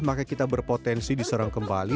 maka kita berpotensi diserang kembali